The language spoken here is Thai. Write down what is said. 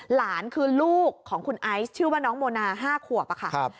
หลานคือลูกของคุณไอซ์ชื่อว่าน้องโมนา๕ขวบอะค่ะ